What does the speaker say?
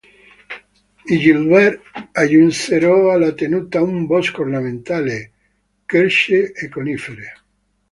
I Gilbert aggiunsero alla tenuta un bosco ornamentale, querce e conifere.